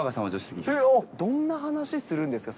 どんな話するんですか？